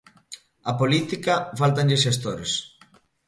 Á política fáltanlle xestores.